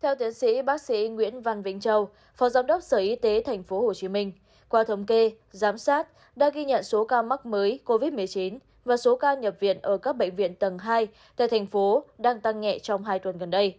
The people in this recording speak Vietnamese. theo tiến sĩ bác sĩ nguyễn văn vĩnh châu phó giám đốc sở y tế tp hcm qua thống kê giám sát đã ghi nhận số ca mắc mới covid một mươi chín và số ca nhập viện ở các bệnh viện tầng hai tại thành phố đang tăng nhẹ trong hai tuần gần đây